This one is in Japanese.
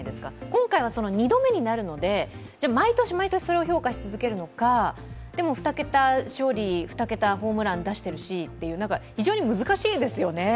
今回は２度目になるので毎年、毎年それを評価し続けるのかでも２桁勝利・２桁ホームランを出してるしと、非常に難しいんですよね。